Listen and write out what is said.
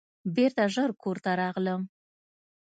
بیرته ژر کور ته راغلم.